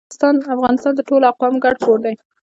افغانستان د ټولو اقوامو ګډ کور دی